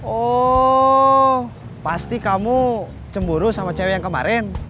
oh pasti kamu cemburu sama cewek yang kemarin